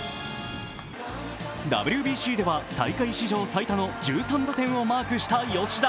ＷＢＣでは大会史上最多の１３打点をマークした吉田。